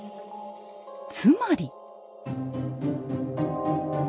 つまり。